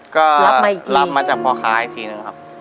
ก็รับมาจากพ่อค้าอีกทีนึงครับ